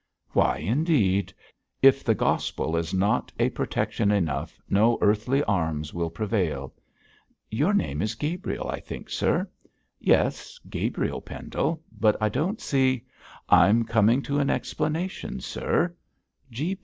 'Why indeed? If the Gospel is not a protection enough, no earthly arms will prevail. Your name is Gabriel, I think, sir.' 'Yes! Gabriel Pendle; but I don't see ' 'I'm coming to an explanation, sir.